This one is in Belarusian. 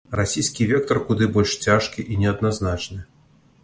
Расійскі вектар куды больш цяжкі і неадназначны.